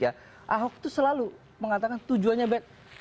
ahok itu selalu mengatakan tujuannya baik